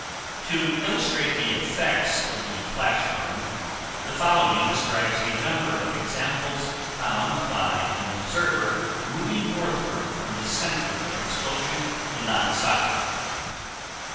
To illustrate the effects of the flash burn, the following describes a number of examples found by an observer moving northward from the center of explosion in Nagasaki.